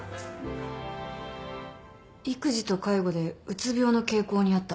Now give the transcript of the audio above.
育児と介護でうつ病の傾向にあった。